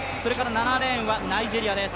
７レーンはナイジェリアです。